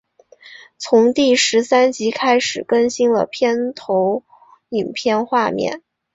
从第十三集开始更新了片头影片画面。